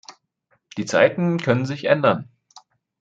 Die Zeiten können sich ändern.